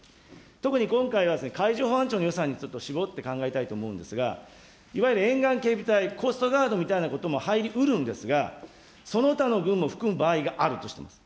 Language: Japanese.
特に今回は、海上保安庁の予算にちょっと絞って考えたいと思うんですが、いわゆる沿岸警備隊、コーストガードみたいなことも入りうるんですが、その他の分も含む場合があるとしています。